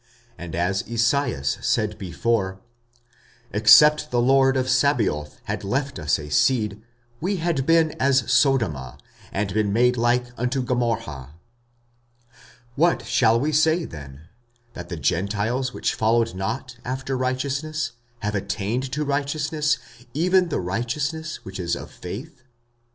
45:009:029 And as Esaias said before, Except the Lord of Sabaoth had left us a seed, we had been as Sodoma, and been made like unto Gomorrha. 45:009:030 What shall we say then? That the Gentiles, which followed not after righteousness, have attained to righteousness, even the righteousness which is of faith.